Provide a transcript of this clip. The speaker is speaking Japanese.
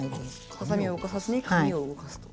はさみを動かさずに紙を動かすと。